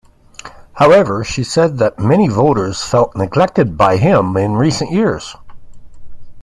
However, she said that many voters felt neglected by him in recent years.